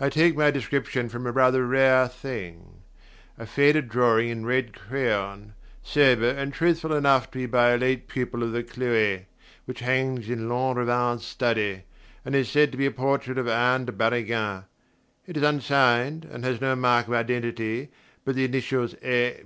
I take my description from a rather rare thing: a faded drawing in red crayon, sober and truthful enough to be by a late pupil of the Clouets, which hangs in Lanrivain's study, and is said to be a portrait of Anne de Barrigan. It is unsigned and has no mark of identity but the initials A.